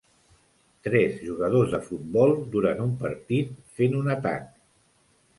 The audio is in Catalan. Tres jugadors de futbol durant un partit, fent un atac.